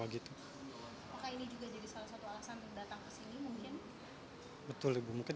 maka ini juga jadi salah satu alasan datang kesini mungkin